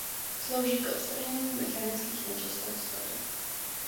Slouží k odstranění mechanických nečistot z vody.